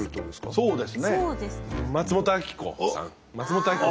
そうです。